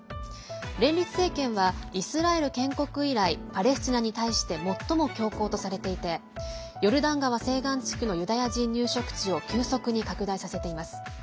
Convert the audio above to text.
連立政権はイスラエル建国以来パレスチナに対して最も強硬とされていてヨルダン川西岸地区のユダヤ人入植地を急速に拡大させています。